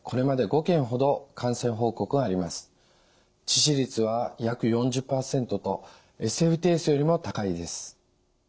致死率は約４０％とＳＦＴＳよりも高いです。